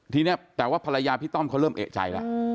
ทีนี้แต่ว่าภรรยาพี่ต้อมเขาเริ่มเอกใจแล้ว